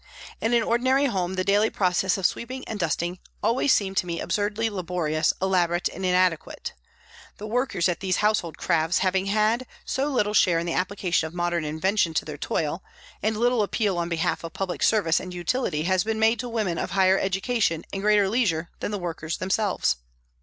In an ordinary home the daily processes of sweeping and dusting always seem to me absurdly laborious, elaborate and inadequate ; the workers at these household crafts having had so little share in the application of modern invention to their toil, and little appeal on behalf of public service and utility has been made to women of higher education and greater leisure than the workers them selves.